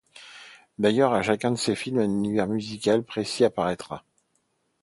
D’ailleurs, à chacun de ses films un univers musical précis apparaîtra.